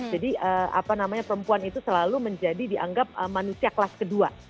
jadi apa namanya perempuan itu selalu menjadi dianggap manusia kelas kedua